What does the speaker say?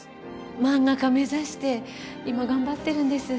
漫画家目指して今頑張ってるんです。